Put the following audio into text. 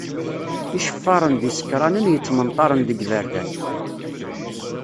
Iceffaren d yisekranen yettmenṭaren deg yiberdan.